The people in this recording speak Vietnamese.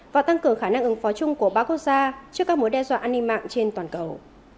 và tăng cường khả năng ứng phó chung của ba quốc gia trước các mối đe dọa an ninh mạng trên toàn cầu